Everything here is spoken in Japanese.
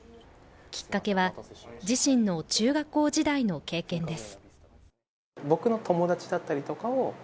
きっかけは、自身の中学校時代の経験です。